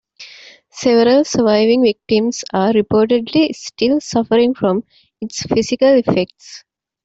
Several surviving victims are reportedly still suffering from its physical effects.